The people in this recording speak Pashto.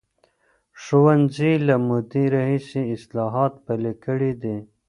ښوونځي له مودې راهیسې اصلاحات پلي کړي دي.